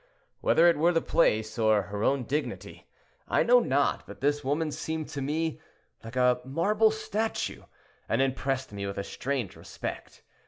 Whether it were the place, or her own dignity, I know not, but this woman seemed to me like a marble statue, and impressed me with a strange respect.